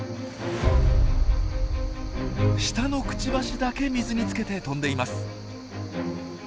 下のクチバシだけ水につけて飛んでいます。